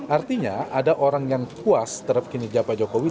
artinya ada orang yang puas terhadap kinerja pak jokowi